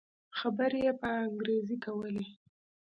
خبرې يې په انګريزي کولې.